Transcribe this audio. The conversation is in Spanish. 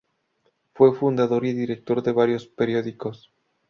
Fue fundador y director de varios periódicos.